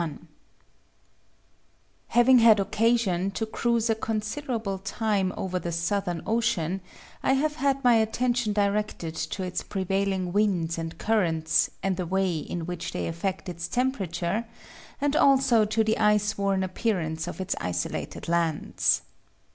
TABER. Having had occasion to cruise a considerable time over the Southern Ocean, I have had my attention directed to its prevailing winds and currents, and the way in which they affect its temperature, and also to the ice worn appearance of its isolated lands.